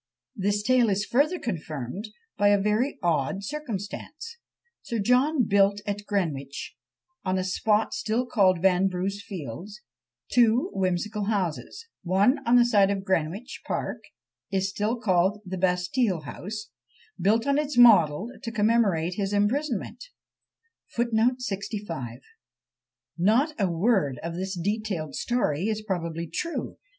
This tale is further confirmed by a very odd circumstance. Sir John built at Greenwich, on a spot still called "Van Brugh's Fields," two whimsical houses; one on the side of Greenwich Park is still called "the Bastile House," built on its model, to commemorate this imprisonment. Not a word of this detailed story is probably true!